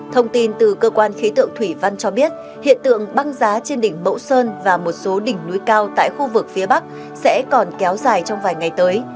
thông tin từ cơ quan khí tượng thủy văn cho biết hiện tượng băng giá trên đỉnh mẫu sơn và một số đỉnh núi cao tại khu vực phía bắc sẽ còn kéo dài trong vài ngày tới